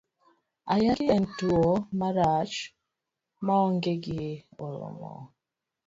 Ayaki en tuo marach maonge gi oruma.